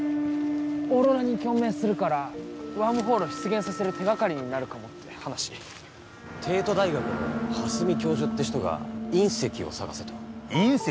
オーロラに共鳴するからワームホールを出現させる手がかりになるかもって話帝都大学の蓮見教授って人が隕石を探せと隕石？